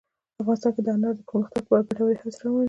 افغانستان کې د انارو د پرمختګ لپاره ګټورې هڅې روانې دي.